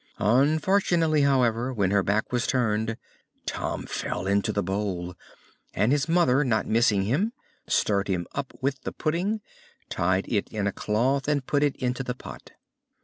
Unfortunately, however, when her back was turned, Tom fell into the bowl, and his mother, not missing him, stirred him up in the pudding, tied it in a cloth, and put it into the pot.